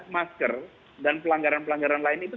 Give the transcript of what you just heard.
masker dan pelanggaran pelanggaran lainnya